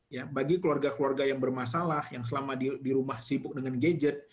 ya bagi keluarga keluarga yang bermasalah yang selama di rumah sibuk dengan gadget